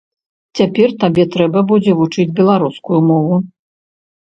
Цяпер табе трэба будзе вучыць беларускую мову!